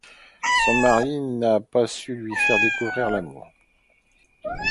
Son mari n'a pas su lui faire découvrir l'amour.